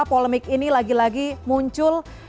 polemik ini lagi lagi muncul